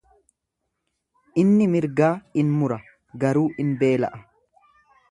Inni mirgaa in mura garuu in beela'a.